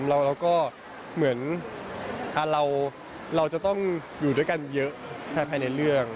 แล้วก็เหมือนเราจะต้องอยู่ด้วยกันเยอะภายในเรื่อง